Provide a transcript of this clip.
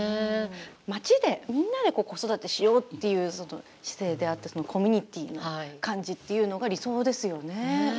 町でみんなで子育てしようっていう姿勢であったりコミュニティーの感じっていうのが理想ですよね。